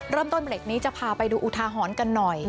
เริ่มต้นเบรกนี้จะพาไปดูอุทาหรณ์กันหน่อย